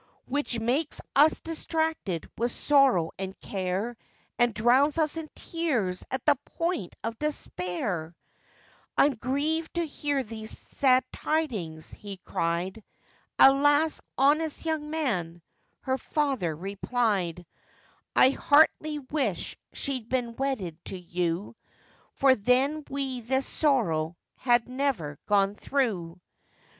Which makes us distracted with sorrow and care, And drowns us in tears at the point of despair.' 'I'm grievèd to hear these sad tidings,' he cried. 'Alas! honest young man,' her father replied, 'I heartily wish she'd been wedded to you, For then we this sorrow had never gone through.